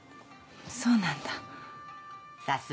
そうなんだ。